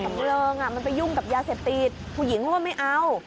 เริงมันไปยุ่งกับยาเสพติดผู้หญิงเขาก็ไม่เอา